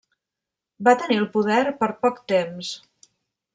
Va tenir el poder per poc temps.